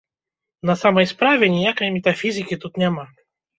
На самай справе, ніякай метафізікі тут няма.